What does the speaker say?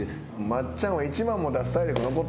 松ちゃんは１万も出す体力残ってない。